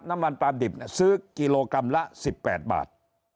น้ำมันปลาดิบซื้อกิโลกรัมละ๑๘บาท